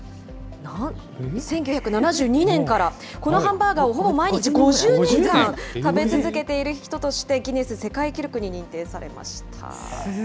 １９７２年から、このハンバーガーを、ほぼ毎日５０年間、食べ続けている人として、ギネス世すごい。